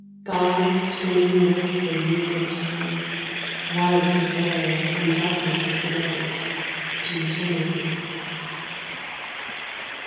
• God spinning with the wheel of Time, White of day and darkness of the night to eternity.